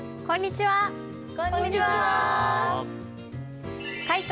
こんにちは！